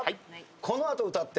このあと歌って。